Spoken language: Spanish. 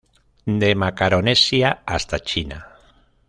De Macaronesia hasta China.